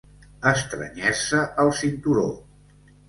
Estrènyer-se el cinturó.